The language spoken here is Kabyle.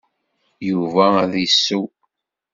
Yuba ad d-issew.